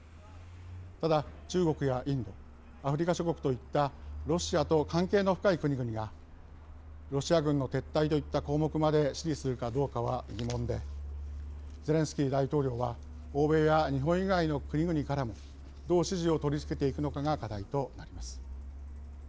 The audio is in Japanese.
ただ、中国やインドアフリカ諸国といったロシアと関係の深い国々がロシア軍の撤退といった項目まで支持するかどうかは疑問でゼレンスキー大統領は欧米や日本以外の国々からもどう支持を取り付けていくのかが課題となります。